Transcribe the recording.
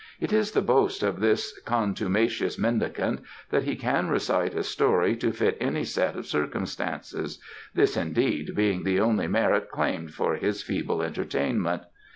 It is the boast of this contumacious mendicant that he can recite a story to fit any set of circumstances, this, indeed, being the only merit claimed for his feeble entertainment.